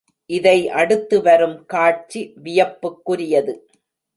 இதை அடுத்து வரும் காட்சி வியப்புக்குரியது.